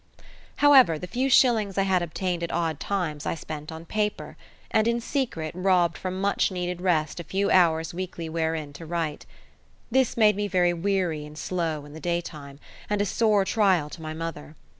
However, the few shillings I had obtained at odd times I spent on paper, and in secret robbed from much needed rest a few hours weekly wherein to write. This made me very weary and slow in the daytime, and a sore trial to my mother.